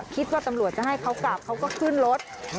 คิดว่าตำรวจจะให้เขากลับเขาก็ขึ้นรถ